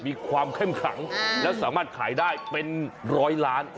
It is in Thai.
มีความเข้มขังแล้วสามารถขายได้เป็นร้อยล้าน